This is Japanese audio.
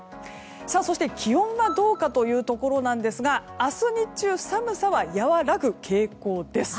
そして気温はどうかというところですが明日日中寒さは和らぐ傾向です。